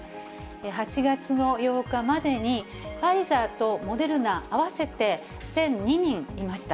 ８月の８日までに、ファイザーとモデルナ合わせて１００２人いました。